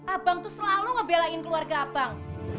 abang tuh selalu ngebelain keluarga abang